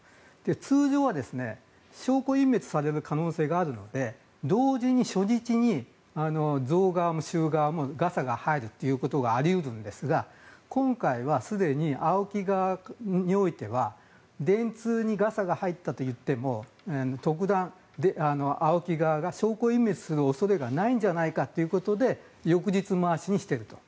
通常は証拠隠滅される可能性があるので同時に初日に贈側も収側もガサが入るということがあり得るんですが、今回はすでにＡＯＫＩ側においては電通にガサが入ったといっても特段、ＡＯＫＩ側が証拠隠滅する恐れがないんじゃないかということで翌日回しにしていると。